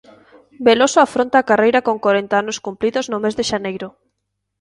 Veloso afronta a carreira con corenta anos cumpridos no mes de xaneiro.